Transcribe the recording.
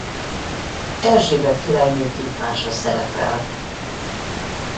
Erzsébet királynő képmása szerepel.